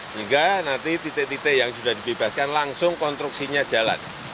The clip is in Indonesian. hingga nanti titik titik yang sudah dibebaskan langsung konstruksinya jalan